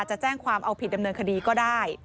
จะแจ้งความเอาผิดดำเนินคดีก็ได้